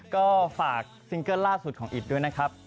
ก็ฝากซิงเกิลล่าสุดของอิตด้วยนะครับ